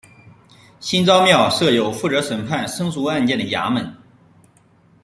新召庙设有负责审判僧俗案件的衙门。